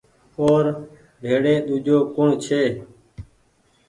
او ر بيڙي ۮوجو ڪوٚڻ ڇي